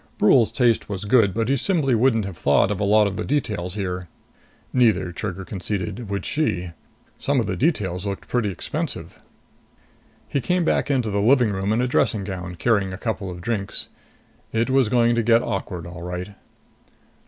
Brule's taste was good, but he simply wouldn't have thought of a lot of the details here. Neither, Trigger conceded, would she. Some of the details looked pretty expensive. He came back into the living room in a dressing gown, carrying a couple of drinks. It was going to get awkward, all right.